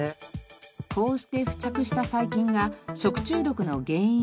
こうして付着した細菌が食中毒の原因になります。